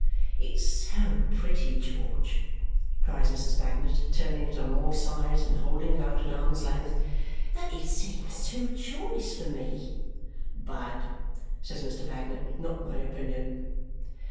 "It's so pretty, George," cries Mrs. Bagnet, turning it on all sides and holding it out at arm's length, "that it seems too choice for me." "Bad!" says Mr. Bagnet. "Not my opinion."